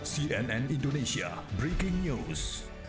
cnn indonesia breaking news